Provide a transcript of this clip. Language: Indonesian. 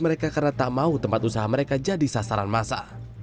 mereka karena tak mau tempat usaha mereka jadi sasaran masa